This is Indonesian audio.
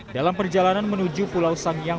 dalam perjalanan menuju pulau sangiang